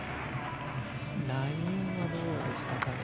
ラインはどうでしたかね。